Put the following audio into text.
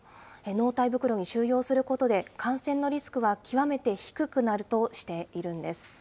納体袋に収容することで感染のリスクは極めて低くなるとしているんです。